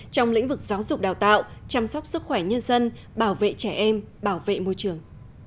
trong lĩnh vực giáo dục đào tạo chăm sóc sức khỏe nhân dân bảo vệ trẻ em bảo vệ môi trường